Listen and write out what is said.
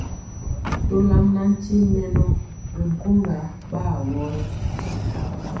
Tolam na nkye mɛnɔ ri nkoŋga ɓa awɔ rɛ.